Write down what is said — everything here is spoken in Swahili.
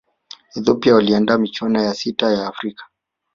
ethiopia waliandaa michuano ya sita ya afrika